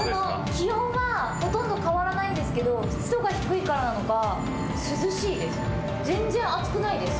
気温はほとんど変わらないんですけど湿度が低いからなのか涼しいです。